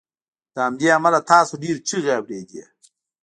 له همدې امله تاسو ډیرې چیغې اوریدې